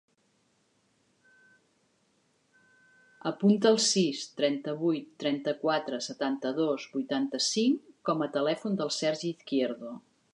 Apunta el sis, trenta-vuit, trenta-quatre, setanta-dos, vuitanta-cinc com a telèfon del Sergi Izquierdo.